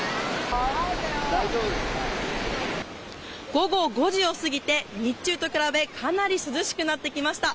午後５時を過ぎて日中と比べかなり涼しくなってきました。